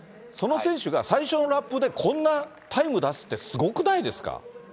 その選手が、最初のラップでこんなタイム出すって、すごくないですか。